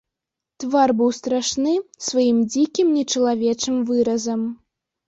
Твар быў страшны сваім дзікім нечалавечым выразам.